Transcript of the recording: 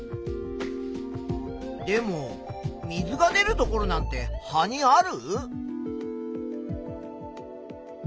でも水が出るところなんて葉にある？